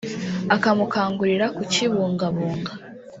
akamukangurira kukibungabunga